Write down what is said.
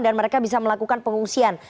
dan mereka bisa melakukan pengungsian